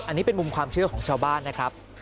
อันนี้เป็นมุมความเชื่อของชาวบ้านนะครับ